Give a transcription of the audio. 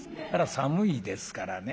寒いですからね